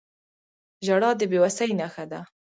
• ژړا د بې وسۍ نښه ده.